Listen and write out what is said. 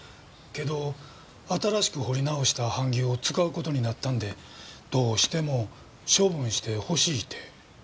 けど新しく彫り直した版木を使う事になったんでどうしても処分してほしいって。